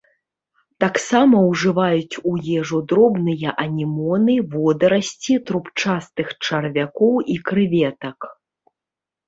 Таксама ўжываюць у ежу дробныя анемоны, водарасці, трубчастых чарвякоў і крэветак.